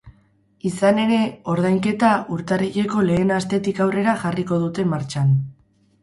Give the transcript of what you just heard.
Izan ere, ordainketa urtarrileko lehen astetik aurrera jarriko dute martxan.